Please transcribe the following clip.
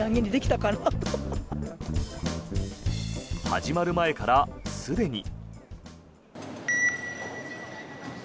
始まる前からすでに。